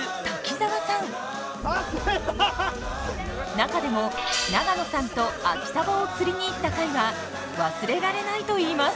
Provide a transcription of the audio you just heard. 中でも長野さんと秋サバを釣りに行った回は忘れられないといいます。